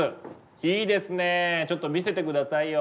いいですねちょっと見せて下さいよ。